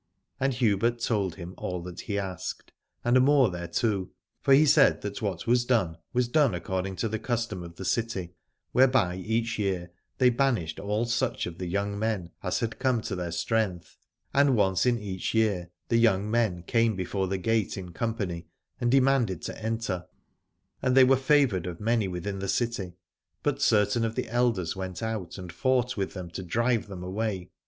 And Hubert told him all that he asked, and more thereto : for he said that what was done was done according to the custom of the city, whereby each year they banished all such of the young men as had come to their strength : and once in each year the young men came before the gate in a company and demanded to enter, and they were favoured of many within the city, but certain of the elders went out and fought with them to drive them away.